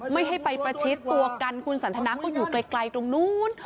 ไม่ให้ไปประชิดตัวกันคุณสันทนาก็อยู่ไกลตรงนู้น